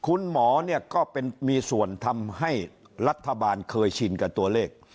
คุณหมอเนี่ยก็เป็นมีส่วนทำให้รัฐบาลเคยชินกับตัวเลข